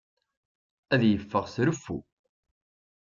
Ad yeffeɣ s reffu.